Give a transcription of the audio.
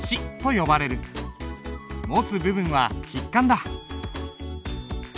持つ部分は筆管だ。